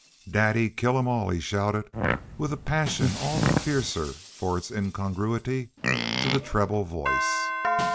"Daddy kill 'em all!" he shouted, with a passion all the fiercer for its incongruity to the treble voice.